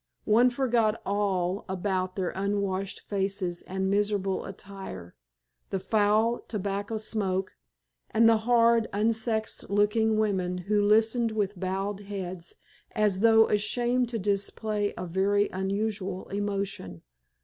One forgot all about their unwashed faces and miserable attire, the foul tobacco smoke, and the hard, unsexed looking women who listened with bowed heads as though ashamed to display a very unusual emotion.